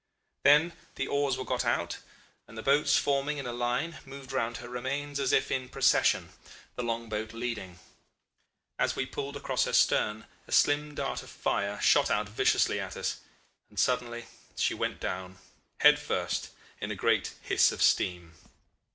"Then the oars were got out, and the boats forming in a line moved round her remains as if in procession the long boat leading. As we pulled across her stern a slim dart of fire shot out viciously at us, and suddenly she went down, head first, in a great hiss of steam.